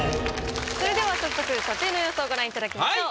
それでは早速査定の様子をご覧いただきましょう。